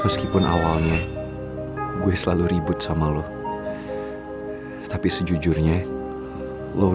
meskipun gue yang harus berkorban demi itu